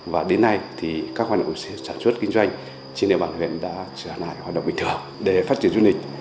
và đến nay thì các hoạt động sản xuất kinh doanh trên địa bàn huyện đã trở lại hoạt động bình thường để phát triển du lịch